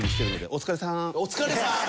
「お疲れさーん」